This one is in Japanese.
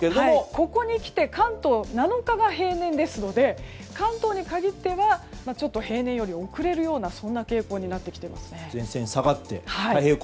ここにきて関東７日が平年ですので関東に限ってはちょっと平年より遅れるようなそんな傾向になってきました。